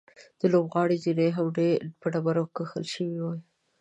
د لوبغالي زینې هم په ډبرو کښل شوې وې.